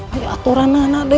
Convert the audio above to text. baik aturannya anak dek